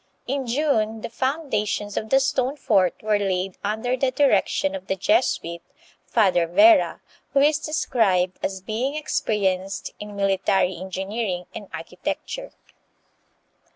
In June the foundations of the stone fort were laid under the direction of the Jesuit, Father Vera, who is described as being experienced in military engineering and architecture.